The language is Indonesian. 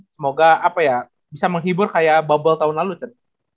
semoga bisa menghibur kayak bubble tahun lalu chan